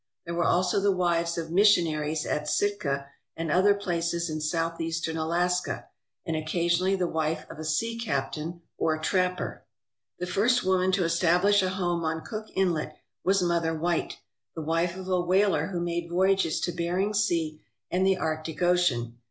There were also the wives of mission aries at Sitka and other places in Southeastern Alaska, and occasionally the wife of a sea captain or trapper. The first woman to establish a home on Cook Inlet was Mother White, the wife of a whaler who made voyages to Bering Sea and the Arctic Ocean.